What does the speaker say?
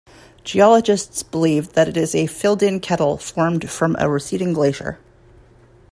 Geologists believe that it is a filled-in kettle formed from a receding glacier.